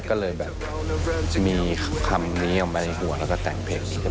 ก็เลยแบบจะมีคำนี้ออกมาในหัวแล้วก็แต่งเพลงนี้ขึ้นมา